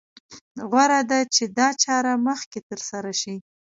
غوره ده چې دا چاره مخکې تر سره شي.